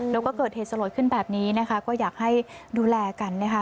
แล้วก็เกิดเหตุสลดขึ้นแบบนี้นะคะก็อยากให้ดูแลกันนะคะ